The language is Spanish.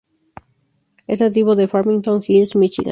Es nativo de Farmington Hills, Michigan.